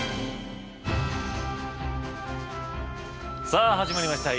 さあ始まりました。